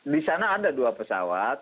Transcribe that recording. di sana ada dua pesawat